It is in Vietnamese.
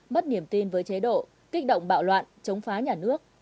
mất niềm tin với chế độ kích động bạo loạn chống phá nhà nước